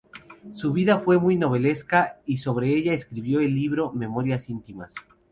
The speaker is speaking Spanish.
Su vida fue muy novelesca, y sobre ella escribió el libro "Memorias íntimas".